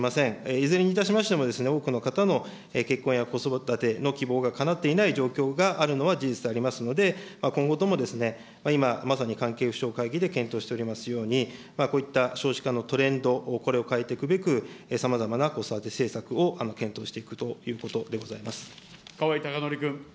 いずれにいたしましても、多くの方の結婚や子育ての希望がかなっていない状況があるのは事実でありますので、今後とも今、まさに関係府省会議で検討しておりますように、こういった少子化のトレンド、これを変えていくべく、さまざまな子育て政策を検討していくということでございます。